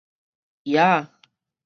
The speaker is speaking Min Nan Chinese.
蝶仔